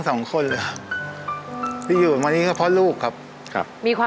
ลูกไม่เคยทำให้พ่อเสียใจครับประมาณนั้น